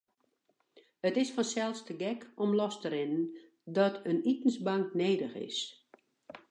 It is fansels te gek om los te rinnen dat in itensbank nedich is.